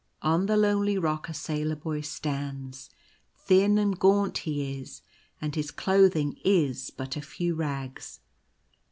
On the lonely rock a Sailor Boy stands ; thin and gaunt he is, and his clothing is but a few rags.